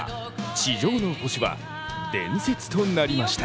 「地上の星」は伝説となりました。